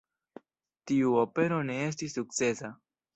Tiu opero ne estis sukcesa.